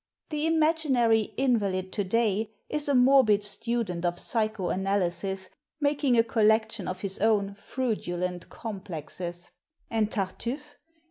The Imaginary Invalid today is a morbid student of psycho analysis making a collection of his own Freudulent complexes. And Tartuffe?